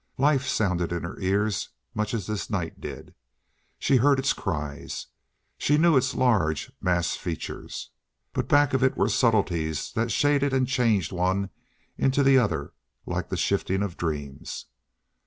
Life sounded in her ears much as this night did. She heard its cries. She knew its large mass features. But back of it were subtleties that shaded and changed one into the other like the shifting of dreams.